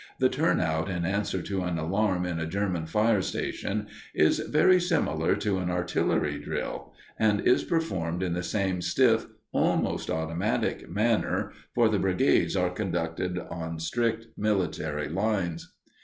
The "turnout" in answer to an alarm in a German fire station is very similar to an artillery drill, and is performed in the same stiff, almost automatic, manner, for the brigades are conducted on strict military lines.